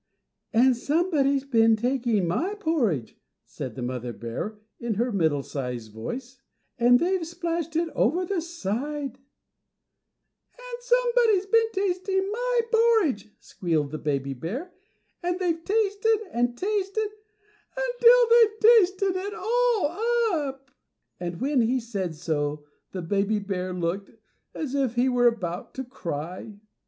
"+And somebody's been taking my porridge+," said the mother bear in her middle sized voice, "+and they've splashed it over the side+." "And somebody's been tasting my porridge," squealed the baby bear, "and they've tasted and tasted until they've tasted it all up." And when he said so the baby bear looked as if he were about to cry.